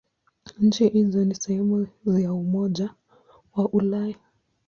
Nchi hizo si sehemu za Umoja wa Ulaya.